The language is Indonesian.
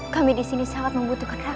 kami di sini sangat membutuhkan